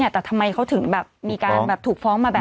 ต์แต่ทำไมเค้าถึงมีการถูกฟ้องแบบนี้